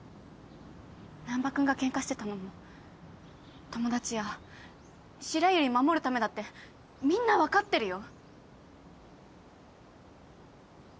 難破君がケンカしてたのも友達や白百合守るためだってみんな分かってるよ。